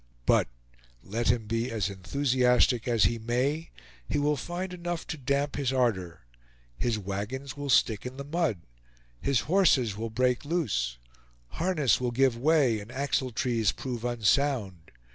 But let him be as enthusiastic as he may, he will find enough to damp his ardor. His wagons will stick in the mud; his horses will break loose; harness will give way, and axle trees prove unsound.